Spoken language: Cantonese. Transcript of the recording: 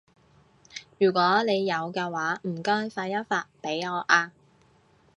如果你有嘅話，唔該發一發畀我啊